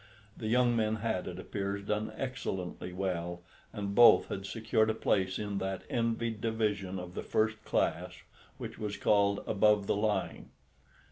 The young men had, it appears, done excellently well, and both had secured a place in that envied division of the first class which was called "above the line."